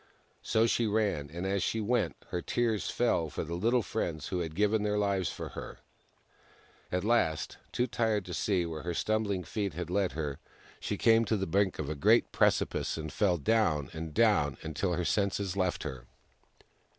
So she ran, and as she went, her tears fell for the little friends who had given their lives for her. At last, too tired to see where her stumbling feet had led her, she came THE MAIDEN WHO FOUND THE MOON 149 to the brink of a great precipice, and fell down and down, until her senses left her.